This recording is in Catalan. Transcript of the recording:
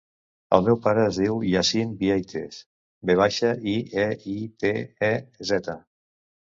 El meu pare es diu Yassine Vieitez: ve baixa, i, e, i, te, e, zeta.